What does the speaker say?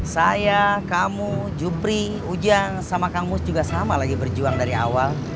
saya kamu jupri ujang sama kamus juga sama lagi berjuang dari awal